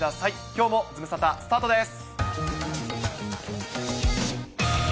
きょうもズムサタスタートです。